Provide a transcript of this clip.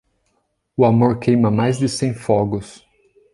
O amor queima mais de cem fogos.